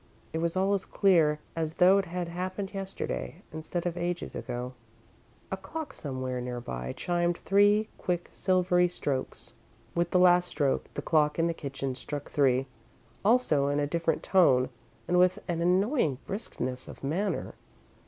It was all as clear as though it had happened yesterday, instead of ages ago. A clock, somewhere near by, chimed three quick, silvery strokes. With the last stroke, the clock in the kitchen struck three, also, in a different tone and with an annoying briskness of manner.